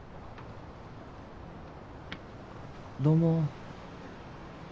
どうも。